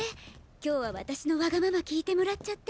今日は私のわがまま聞いてもらっちゃって。